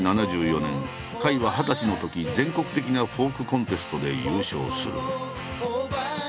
１９７４年甲斐は二十歳のとき全国的なフォークコンテストで優勝する。